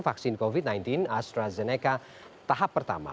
vaksin covid sembilan belas astrazeneca tahap pertama